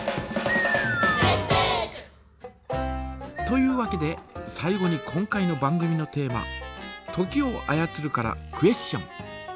というわけで最後に今回の番組のテーマ「時を操る」からクエスチョン。